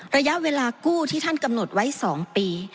ระยะเวลากู้ที่ท่านกำหนดไว้๒ปี